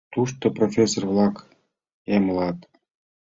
— Тушто профессор-влак эмлат.